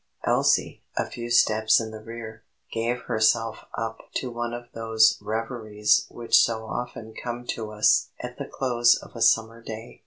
Elsie, a few steps in the rear, gave herself up to one of those reveries which so often come to us at the close of a summer day.